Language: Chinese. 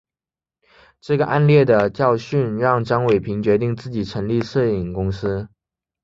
这个案例的教训让张伟平决定成立自己的电影公司。